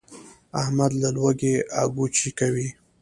احمد له لوږې اګوچې کوي.